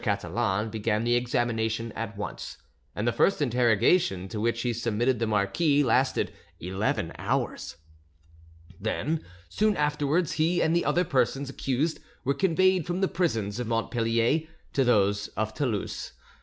Catalan began the examination at once, and the first interrogation to which he submitted the marquis lasted eleven hours. Then soon afterwards he and the other persons accused were conveyed from the prisons of Montpellier to those of Toulouse.